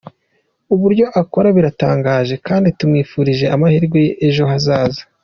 Uburyo akora biratangaje kandi tumwifurije amahirwe ejo hazaza.